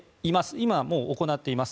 今、行っています。